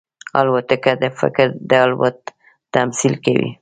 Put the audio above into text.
الوتکه د فکر د الوت تمثیل کوي.